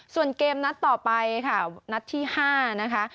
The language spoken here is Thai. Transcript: ส่วนเกมนัดต่อไปค่ะนัดที่๕นะคะ